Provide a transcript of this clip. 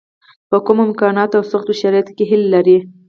په کمو امکاناتو او سختو شرایطو کې هیله لري.